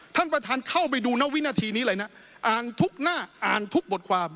ท่านประธานเข้าไปดูนะวินาทีนี้เลยนะอ่านทุกหน้าอ่านทุกบทความ